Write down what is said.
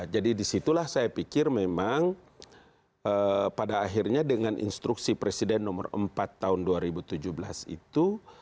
jadi disitulah saya pikir memang pada akhirnya dengan instruksi presiden nomor empat tahun dua ribu tujuh belas itu